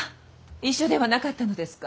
一緒ではなかったのですか？